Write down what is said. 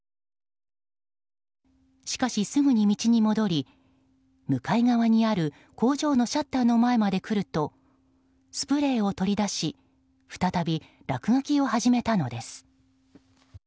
しかし、すぐに道に戻り向かい側にある工場のシャッターの前まで来るとスプレーを取り出し再び落書きを始めたのです。